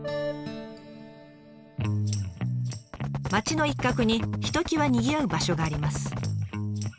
町の一角にひときわにぎわう場所があります。